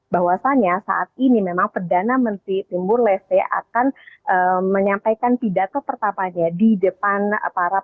bahwasannya saat ini memang perdana menteri timur leste akan menyampaikan pidato pertamanya di depan para